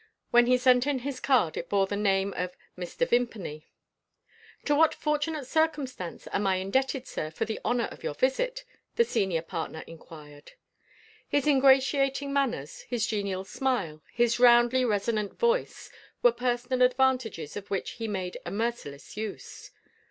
When he sent in his card, it bore the name of "Mr. Vimpany." "To what fortunate circumstance am I indebted, sir, for the honour of your visit?" the senior partner inquired. His ingratiating manners, his genial smile, his roundly resonant voice, were personal advantages of which he made a merciless use.